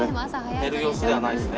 寝る様子ではないですね。